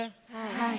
はい。